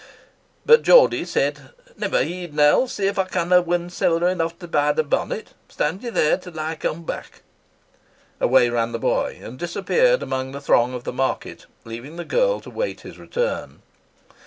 But Geordie said, "Never heed, Nell; see if I canna win siller enough to buy the bonnet; stand ye there, till I come back." Away ran the boy and disappeared amidst the throng of the market, leaving the girl to wait his return.